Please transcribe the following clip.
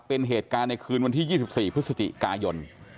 เป็นเหตุการณ์ในคืนวันที่๒๔พฤศจิกายน